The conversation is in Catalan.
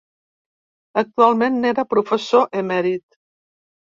Actualment n’era professor emèrit.